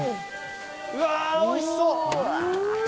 うわー、おいしそう！